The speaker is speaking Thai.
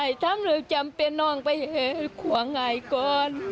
อ่ายทำเลยจำเป็นน้องไปห่วงอ่ายก่อน